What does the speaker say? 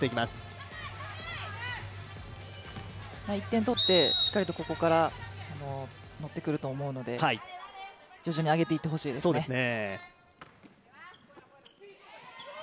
１点取って、しっかりとここから乗ってくると思うので徐々に上げていってほしいですね。